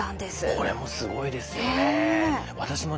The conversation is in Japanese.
これもすごいですよね。